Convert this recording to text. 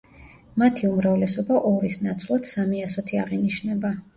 მათი უმრავლესობა ორის ნაცვლად სამი ასოთი აღინიშნება.